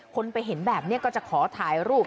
คนไปเห็นแบบนี้ก็จะขอถ่ายรูป